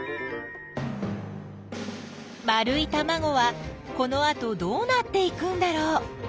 丸いたまごはこのあとどうなっていくんだろう？